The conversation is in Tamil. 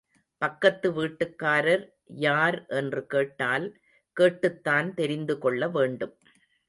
பக்கத்து வீட்டுக்காரர் யார் என்று கேட்டால் கேட்டுத்தான் தெரிந்துகொள்ளவேண்டும்.